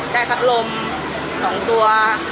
ได้พัดลมสองตัว